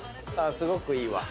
すごくいいわ。